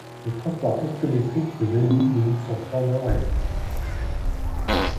Le transport hectométrique de Venise limite son flanc nord-est.